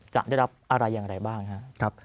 จะได้รับอะไรอย่างไรบ้างครับ